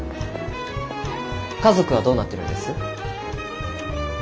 家族はどうなってるんです？